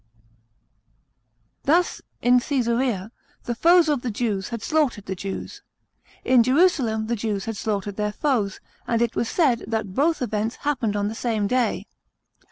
Thus, in Ca3sarea the foes of the Jews had slaughtered the Jews ; in Jerusalem the Jews had slaughtered their foes ; and it was said that both events happened on the same day.